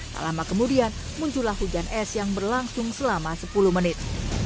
tak lama kemudian muncullah hujan es yang berlangsung selama sepuluh menit